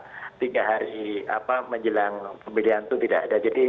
jadi hari apa menjelang pilihan itu tidak ada